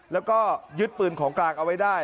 แล้วก็ยึดปืนของกลางเอาไว้ได้